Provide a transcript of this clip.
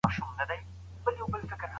په بدو کي د ښځو ورکول منع سوي وو.